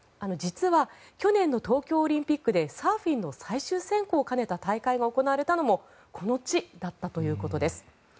実は、去年の東京オリンピックでサーフィンの最終選考を兼ねた大会が行われたのもこの地だったということです。